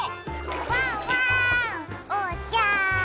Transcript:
ワンワーンおうちゃん！